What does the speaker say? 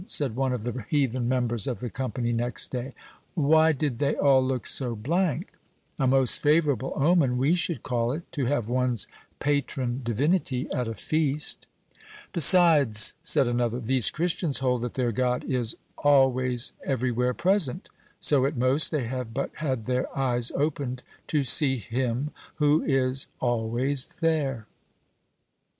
said one of the heathen members of the company, next day. "Why did they all look so blank? A most favorable omen, we should call it, to have one's patron divinity at a feast." "Besides," said another, "these Christians hold that their God is always every where present; so, at most, they have but had their eyes opened to see Him who is always there!"